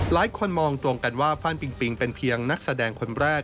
หลายคนมองตรงกันว่าฟ่านปิงปิงเป็นเพียงนักแสดงคนแรก